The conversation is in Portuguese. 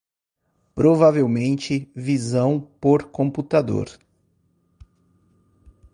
Provavelmente visão por computador